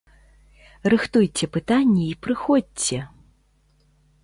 Рыхтуйце пытанні і прыходзьце!